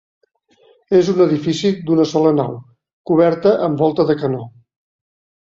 És un edifici d'una sola nau, coberta amb volta de canó.